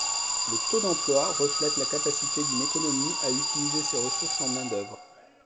Le taux d'emploi reflète la capacité d'une économie à utiliser ses ressources en main-d'œuvre.